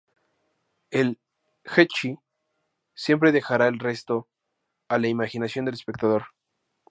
El "ecchi" siempre dejará el resto a la imaginación del espectador.